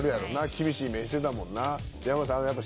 厳しい目してたもんな。